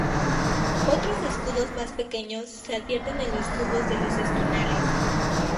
Otros escudos más pequeños se advierten en los cubos de los esquinales.